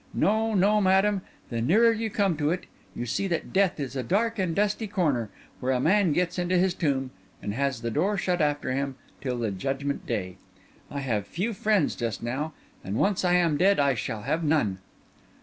No, no, madam, the nearer you come to it, you see that death is a dark and dusty corner, where a man gets into his tomb and has the door shut after him till the judgment day. I have few friends just now, and once I am dead I shall have none."